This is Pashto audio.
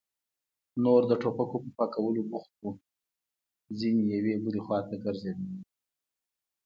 نور د ټوپکو په پاکولو بوخت وو، ځينې يوې بلې خواته ګرځېدل.